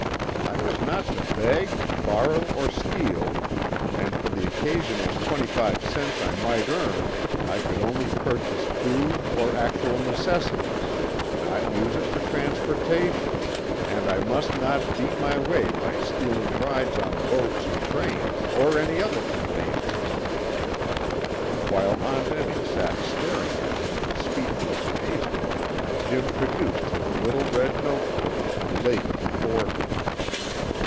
I was not to beg, borrow, or steal, and for the occasional twenty five cents I might earn I could only purchase food or actual necessities, not use it for transportation, and I must not beat my way by stealing rides on boats or trains or any other conveyances." While Aunt Emmy sat staring at him in speechless amazement, Jim produced his little red note book and laid it before her.